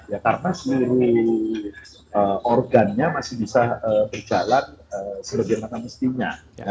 ya karena seluruh organnya masih bisa berjalan sebagaimana mestinya